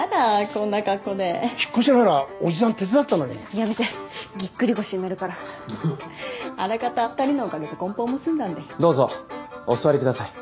こんな格好で引っ越しならおじさん手伝ったのにやめてギックリ腰になるからあらかた２人のおかげで梱包も済んだんでどうぞお座りください